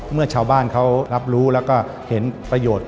เมื่อชาวบ้านเขารับรู้แล้วก็เห็นประโยชน์